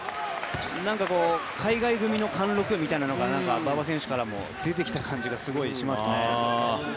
海外組の貫禄みたいなのが馬場選手からも出てきた感じがすごいしますね。